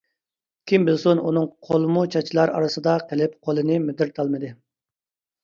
كىم بىلسۇن ئۇنىڭ قولىمۇ چاچلار ئارىسىدا قېلىپ قولىنى مىدىرلىتالمىدى.